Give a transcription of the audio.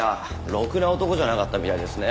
ろくな男じゃなかったみたいですね。